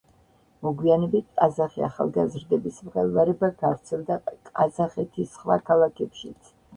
მოგვიანებით ყაზახი ახალგაზრდების მღელვარება გავრცელდა ყაზახეთის სხვა ქალაქებშიც.